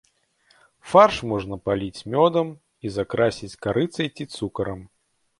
Фарш можна паліць мёдам і закрасіць карыцай ці цукрам.